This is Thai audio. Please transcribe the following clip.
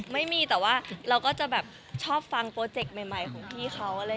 ไม่มีแต่ว่าเราก็จะแบบชอบฟังโปรเจกต์ใหม่ของพี่เขา